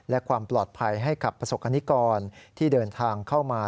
และความปลอดภัยให้กับประสบกรณิกรที่เดินทางเข้ามา